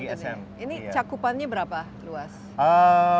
ini cakupannya berapa luas